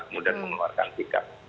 kemudian mengeluarkan sikap